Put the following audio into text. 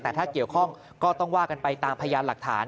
แต่ถ้าเกี่ยวข้องก็ต้องว่ากันไปตามพยานหลักฐาน